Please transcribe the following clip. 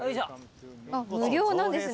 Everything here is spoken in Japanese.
無料なんですね。